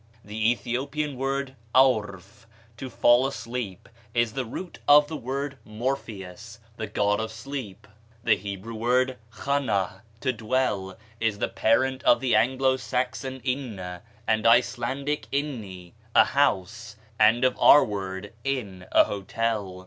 The Ethiopian word aorf, to fall asleep, is the root of the word Morpheus, the god of sleep. The Hebrew word chanah, to dwell, is the parent of the Anglo Saxon inne and Icelandic inni, a house, and of our word inn, a hotel.